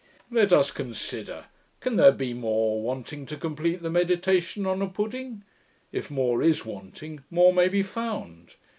Let us consider; can there be more wanting to complete the Meditation on a Pudding? If more is wanting, more may be found.